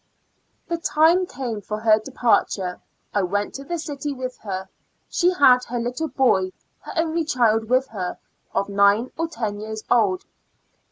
The time came for her departure; I went to the city with her; she had her little boy, her only child with her, of nin^ or ten years old.